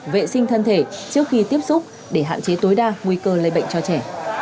vệ sinh thân thể trước khi tiếp xúc để hạn chế tối đa nguy cơ lây bệnh cho trẻ